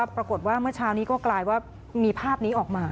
เมื่อเช้านี้ก็กลายว่ามีภาพนี้ออกมา